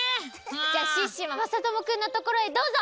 じゃあシュッシュはまさともくんのところへどうぞ！